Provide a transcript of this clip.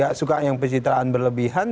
gak suka yang pencitraan berlebihan